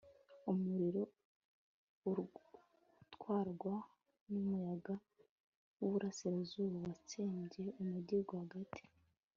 umuriro utwarwa n umuyaga wiburasirazuba, watsembye umujyi rwagati